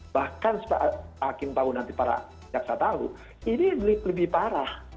bahkan hakim tahu nanti para jaksa tahu ini lebih parah